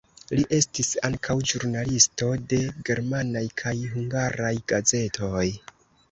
Li estis ankaŭ ĵurnalisto de germanaj kaj hungaraj gazetoj.